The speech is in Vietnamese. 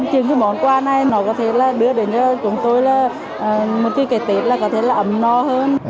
những cái món quà này nó có thể là đưa đến cho chúng tôi là một cái tết là có thể là ấm no hơn